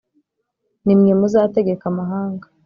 Nimwe muzategeka amahanga